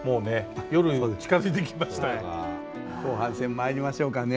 後半戦まいりましょうかね。